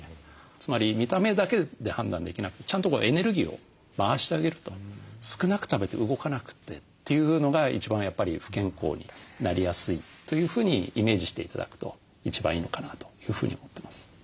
つまり見た目だけで判断できなくてちゃんとエネルギーを回してあげると少なく食べて動かなくてというのが一番やっぱり不健康になりやすいというふうにイメージして頂くと一番いいのかなというふうに思ってます。